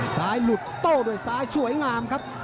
ซ้ายหลุดโต้ด้วยซ้ายสวยงามครับ